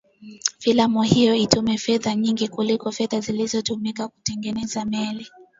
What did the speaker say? filamu hiyo ilitumia fedha nyingi kuliko fedha zilizotumika kutengeneza meli